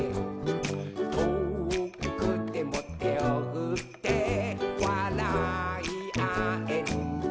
「とおくてもてをふってわらいあえる」